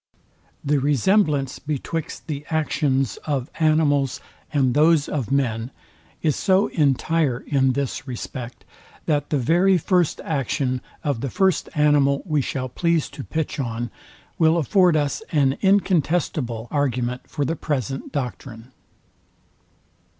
The resemblance betwixt the actions of animals and those of men is so entire in this respect, that the very first action of the first animal we shall please to pitch on, will afford us an incontestable argument for the present doctrine.